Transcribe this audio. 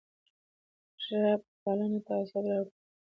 ژب پالنه تعصب راوړي